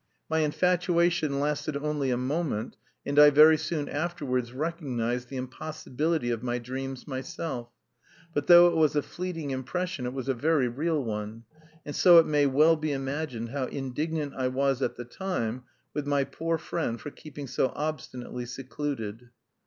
My infatuation lasted only a moment, and I very soon afterwards recognised the impossibility of my dreams myself but though it was a fleeting impression it was a very real one, and so it may well be imagined how indignant I was at the time with my poor friend for keeping so obstinately secluded.